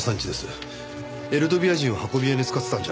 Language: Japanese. エルドビア人を運び屋に使ってたんじゃ？